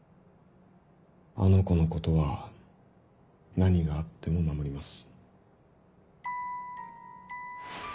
あの子のことは何があっても守ります。